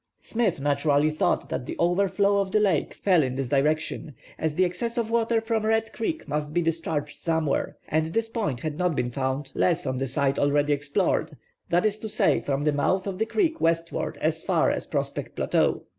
Smith naturally thought that the over flow of the lake fell in this direction, as the excess of water from Red Creek must be discharged somewhere, and this point had not been found less on the side already explored, that is to say from the mouth of the creek westward as far as Prospect Plateau.